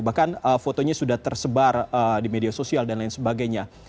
bahkan fotonya sudah tersebar di media sosial dan lain sebagainya